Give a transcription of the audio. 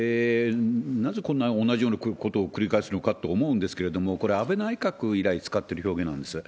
なぜこんな同じようなことを繰り返すのかと思うんですけれども、これ、安倍内閣以来使ってる表現なんです。